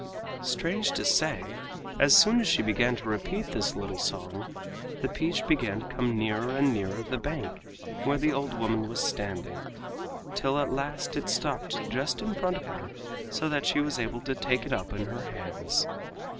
Strange to say, as soon as she began to repeat this little song the peach began to come nearer and nearer the bank where the old woman was standing, till at last it stopped just in front of her so that she was able to take it up in her hands.